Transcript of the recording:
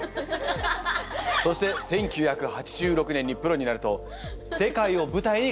そして１９８６年にプロになると世界を舞台に活躍。